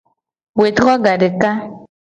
Wetro gadeka.